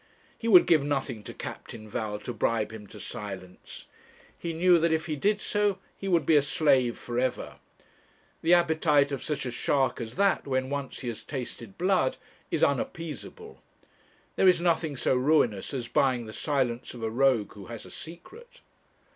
He would give nothing to Captain Val to bribe him to silence. He knew that if he did so, he would be a slave for ever. The appetite of such a shark as that, when once he has tasted blood, is unappeasable. There is nothing so ruinous as buying the silence of a rogue who has a secret.